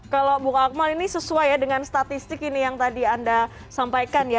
kalau bung akmal ini sesuai ya dengan statistik ini yang tadi anda sampaikan ya